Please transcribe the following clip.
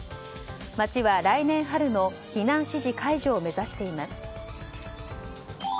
町は、来年春の避難指示解除を目指しています。